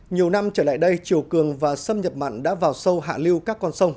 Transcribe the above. nhiều năm trở lại đây chiều cường và xâm nhập mặn đã vào sâu hạ lưu các con sông